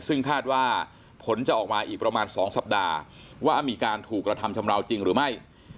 ซึ่งคาดว่าผลจะออกมาอีกประมาณ๒สัปดาห์ว่ามีการถูกกระทำชำราวจริงหรือไม่